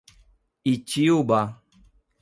Itiúba